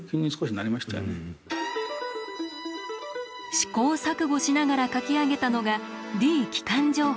試行錯誤しながら書き上げたのが「Ｄ機関情報」。